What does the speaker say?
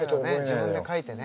自分で書いてね。